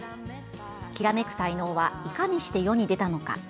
きらめく才能はいかにして世に出たのか。